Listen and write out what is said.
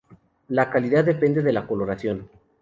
La calidad depende de la coloración.